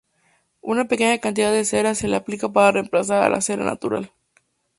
Una pequeña cantidad de cera se le aplica para reemplazar a la cera natural.